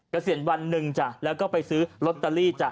เกษียณวันหนึ่งจ้ะแล้วก็ไปซื้อลอตเตอรี่จ้ะ